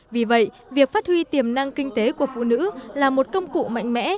vì vậy việc phát huy tiềm năng kinh tế của phụ nữ là một công cụ mạnh mẽ